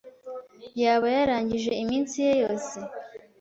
Yaba yarangije iminsi ye yose!